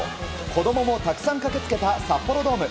子供もたくさん駆け付けた札幌ドーム。